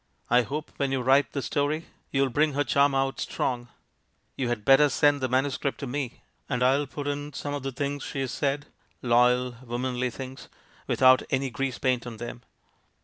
I hope, when you write the story, you'll bring her charm out strong; you had better send the manuscript to me, and I'll put in some of the things she has said — loyal, womanly things, without any grease paint on 'em.